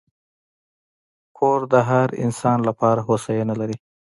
کور د هر انسان لپاره هوساینه لري.